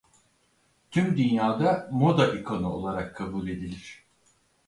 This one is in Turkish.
Tüm dünyada moda ikonu olarak kabul edilir.